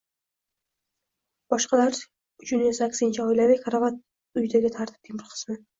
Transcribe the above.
boshqalar uchun esa aksincha, oilaviy karavot uydagi tartibning bir qismi.